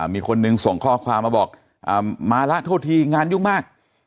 มีคนนึงส่งข้อความมาบอกมาละโทษทีงานยุ่งมาก